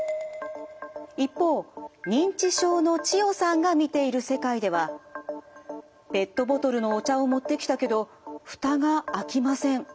一方認知症の千代さんが見ている世界ではペットボトルのお茶を持ってきたけどフタが開きません。